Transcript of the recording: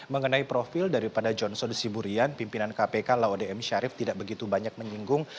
mengenai profil daripada johnson siburian pimpinan kpk laodhe m syarif tidak begitu banyak menyinggung